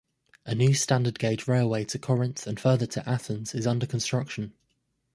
A new standard gauge railway to Korinth and further to Athens is under construction.